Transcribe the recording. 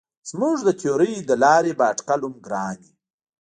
زموږ د تیورۍ له لارې به اټکل هم ګران وي.